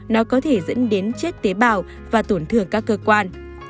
nó có thể dẫn đến chết tế bào và tổn thương các cơ quan